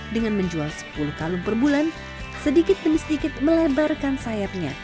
dengan menjual sepuluh kalung per bulan sedikit demi sedikit melebarkan sayapnya